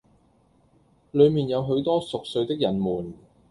裏面有許多熟睡的人們，